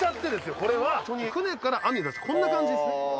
これは船から網出すとこんな感じですね